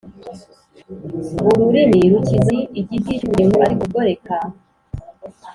Ururimi rukiza ni igiti cy ubugingo ariko urugoreka